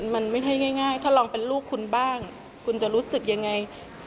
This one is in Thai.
มันไม่ใช่ง่ายถ้าลองเป็นลูกคุณบ้างคุณจะรู้สึกยังไง